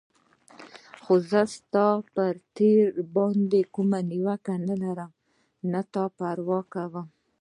خو زه ستا پر تېر باندې کومه نیوکه نه لرم، ته پروا مه کوه.